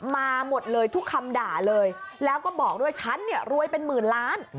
มาหมดเลยทุกคำด่าเลยแล้วก็บอกด้วยฉันเนี่ยรวยเป็นหมื่นล้าน